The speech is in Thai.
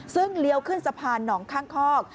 ซึ่งเลี้ยวขึ้นสะพานหนองข้างคอก